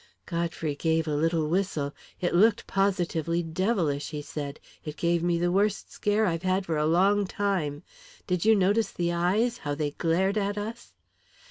Godfrey gave a little whistle. "It looked positively devilish," he said. "It gave me the worst scare I've had for a long time. Did you notice the eyes, how they glared at us?"